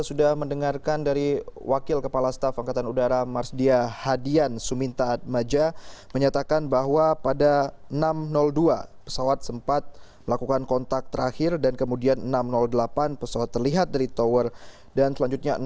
sudah banyak penekanan yang kita berikan khususnya kepada yang langsung bersangkutan